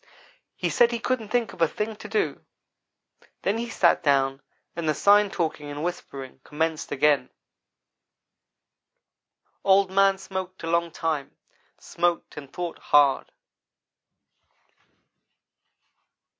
He said he couldn't think of a thing to do then he sat down and the sign talking and whispering commenced again. "Old man smoked a long time smoked and thought hard.